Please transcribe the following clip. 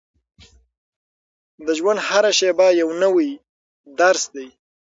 د ژوند هره شېبه یو نوی درس دی.